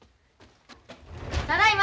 ただいま。